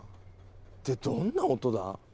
ってどんな音だ？